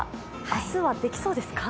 明日はできそうですか？